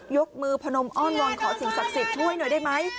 ยกมือผนมอ้อนวอลขอสินศักยศิริช่วยหน่อยได้ไหม